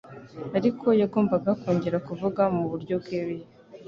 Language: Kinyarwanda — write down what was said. Ariko yagombaga kongera kuvuga mu buryo bweruye.